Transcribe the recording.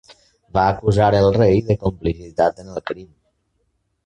Va acusar el rei de complicitat en el crim.